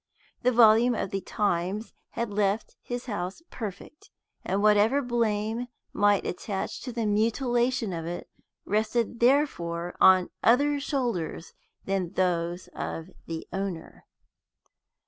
The volume of the Times had left his house perfect, and whatever blame might attach to the mutilation of it rested therefore on other shoulders than those of the owner.